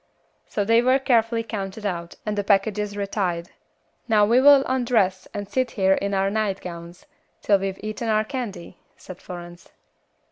So they were carefully counted out, and the packages retied. "Now we will undress and sit here in our nightgowns, till we've eaten our candy," said Florence.